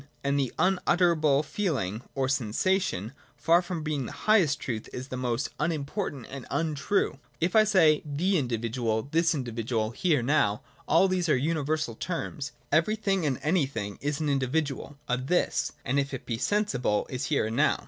And the unutterable, — feeling or| sensation, — far from being the highest truth, is the most? unimportant and untrue. If I say 'The individual," 'This individual,' 'here,' 'now,' all these are universal terms. Everything and anything is an individual, a 'this,' and if it be sensible, is here and now.